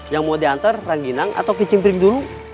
yang mau dihantar ranginang atau kicim prim dulu